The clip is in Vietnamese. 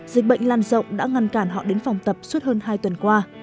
dịch bệnh lan rộng đã ngăn cản họ đến phòng tập suốt hơn hai tuần qua